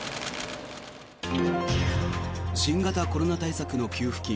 新型コロナ対策の給付金